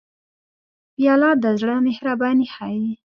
پیاله د زړه مهرباني ښيي.